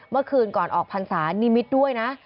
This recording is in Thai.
เมื่อคืนก่อนออกพรรษานิมิตรด้วยนะ